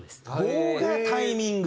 棒がタイミング？